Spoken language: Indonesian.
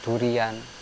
kepul dan wanggisan